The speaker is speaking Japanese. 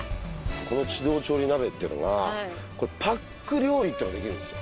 この自動調理鍋っていうがパック料理っていうのができるんですよ。